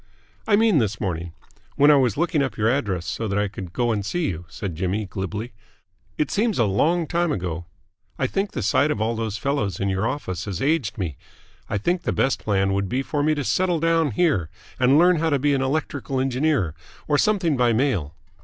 "I mean this morning. When I was looking up your address so that I could go and see you," said Jimmy glibly. "It seems a long time ago. I think the sight of all those fellows in your office has aged me. I think the best plan would be for me to settle down here and learn how to be an electrical engineer or something by mail.